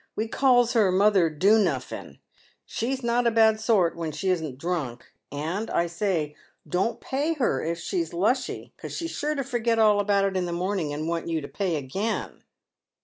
We calls her Mother Doo nuffin. She's not a bad sort, when she isn't drunk. And, I say, don't pay her if she's lushy, 'cos she's sure to forget all about it in the morning, and want you to pay again."